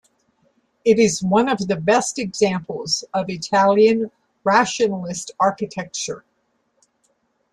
It is one of the best examples of Italian Rationalist architecture.